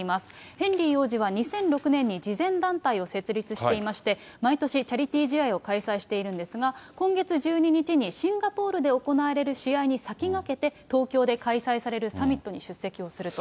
ヘンリー王子は２００６年に慈善団体を設立していまして、毎年、チャリティー試合を開催しているんですが、今月１２日にシンガポールで行われる試合に先駆けて、東京で開催されるサミットに出席をすると。